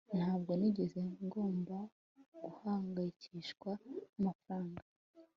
ntabwo nigeze ngomba guhangayikishwa n'amafaranga